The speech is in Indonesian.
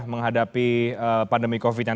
menghadapi pandemi covid sembilan belas